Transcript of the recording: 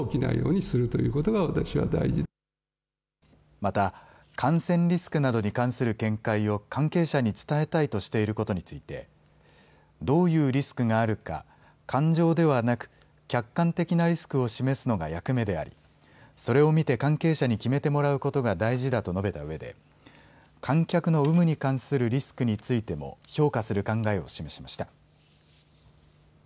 また、感染リスクなどに関する見解を関係者に伝えたいとしていることについてどういうリスクがあるか感情ではなく客観的なリスクを示すのが役目であり、それを見て関係者に決めてもらうことが大事だと述べたうえで観客の有無に関するリスクについても評価する考えを示しました。